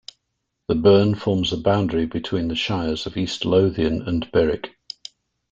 The burn forms the boundary between the shires of East Lothian and Berwick.